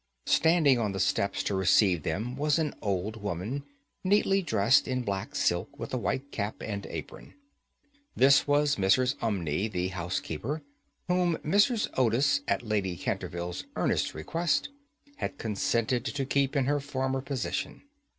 Standing on the steps to receive them was an old woman, neatly dressed in black silk, with a white cap and apron. This was Mrs. Umney, the housekeeper, whom Mrs. Otis, at Lady Canterville's earnest request, had consented to keep in her former position.